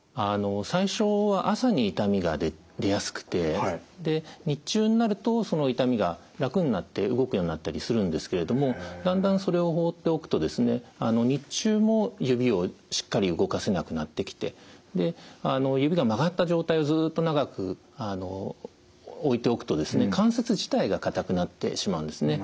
最初は朝に痛みが出やすくて日中になるとその痛みが楽になって動くようになったりするんですけれどもだんだんそれを放っておくと日中も指をしっかり動かせなくなってきて指が曲がった状態をずっと長く置いておくと関節自体が硬くなってしまうんですね。